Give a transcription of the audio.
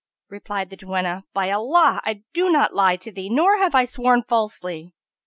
Replied the duenna, "By Allah, I do not lie to thee nor have I sworn falsely."